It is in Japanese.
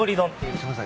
すいません。